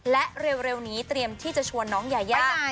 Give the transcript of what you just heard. และเร็วนี้เตรียมที่จะชวนน้องยายา